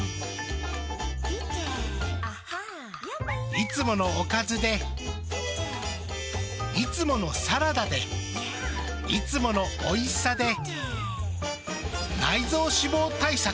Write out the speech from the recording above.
いつものおかずでいつものサラダでいつものおいしさで内臓脂肪対策。